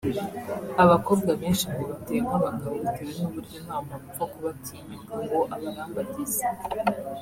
Abakobwa benshi ngo bateye nk’abagabo bitewe n’uburyo nta muntu upfa kubatinyuka ngo abarambagize